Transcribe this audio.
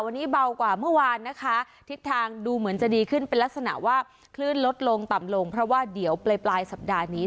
วันนี้เบากว่าเมื่อวานนะคะทิศทางดูเหมือนจะดีขึ้นเป็นลักษณะว่าคลื่นลดลงต่ำลงเพราะว่าเดี๋ยวปลายปลายสัปดาห์นี้